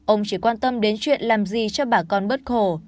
ông chỉ quan tâm đến chuyện làm gì cho bà con bớt khổ